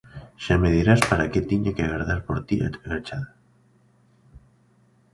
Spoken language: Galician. Xa me dirás para que tiña que agardar por ti agachada.